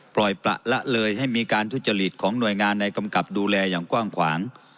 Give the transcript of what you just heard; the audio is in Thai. ปล่อยประละเลยให้มีการทุจริตของหน่วยงานในกำกับดูแลอย่างกว้างขวาง